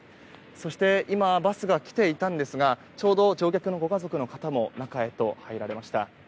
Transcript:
そして、今バスが来ていたんですがちょうど乗客のご家族の方も中へと入られました。